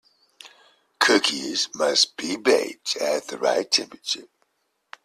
Cookies must be baked at the right temperature.